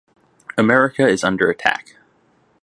America is under attack.